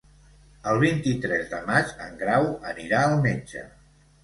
El vint-i-tres de maig en Grau anirà al metge.